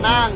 uh uh uh